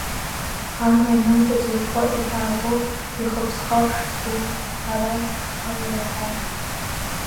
Анра инымҵәаӡо, иҳәаадоу ихы-иԥсхаршҭгоу, аразҟқәа иреиҳау!